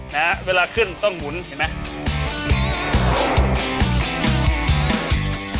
นะฮะเวลาขึ้นต้องหมุนเห็นไหม